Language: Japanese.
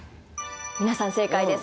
皆さん正解です。